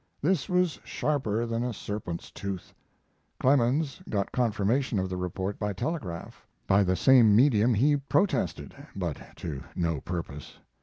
This was sharper than a serpent's tooth. Clemens got confirmation of the report by telegraph. By the same medium he protested, but to no purpose.